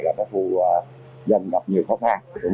là vụ dân gặp nhiều khó khăn